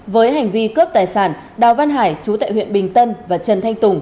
với hành vi cướp tài sản đào văn hải chú tại huyện bình tân và trần thanh tùng